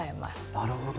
なるほど。